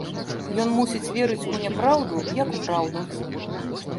Ён мусіць верыць у няпраўду як у праўду.